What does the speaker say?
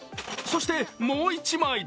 そしてもう一枚。